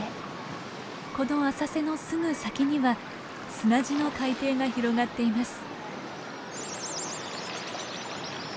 この浅瀬のすぐ先には砂地の海底が広がっています。